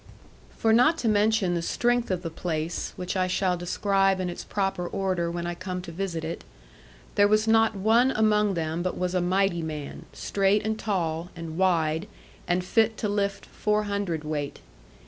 For not to mention the strength of the place, which I shall describe in its proper order when I come to visit it, there was not one among them but was a mighty man, straight and tall, and wide, and fit to lift four hundredweight.